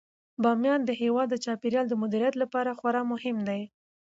بامیان د هیواد د چاپیریال د مدیریت لپاره خورا مهم دی.